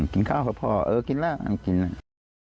กินข้าวกับพ่อเออกินแล้วกินแล้ว